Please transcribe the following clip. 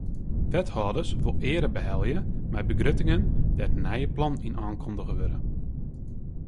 Wethâlders wolle eare behelje mei begruttingen dêr't nije plannen yn oankundige wurde.